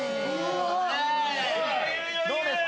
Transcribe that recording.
どうですか？